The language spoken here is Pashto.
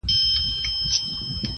څه غزل غزل راګورې څه ټپه ټپه ږغېږې.